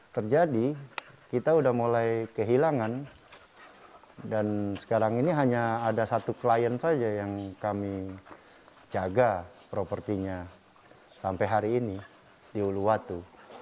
terjadi kita sudah mulai kehilangan dan sekarang ini hanya ada satu klien saja yang kami jaga propertinya sampai hari ini di uluwatu